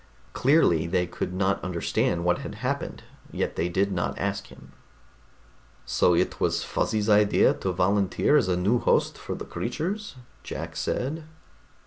Clearly they could not understand what had happened, yet they did not ask him. "So it was Fuzzy's idea to volunteer as a new host for the creatures," Jack said.